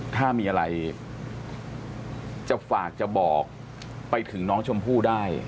ถ้ามีอะไรจะฝากจะบอกไปถึงน้องชมพู่ได้